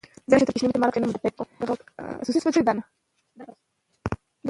د سفر توښه برابره کړئ.